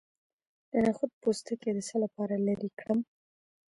د نخود پوستکی د څه لپاره لرې کړم؟